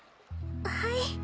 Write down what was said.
はい。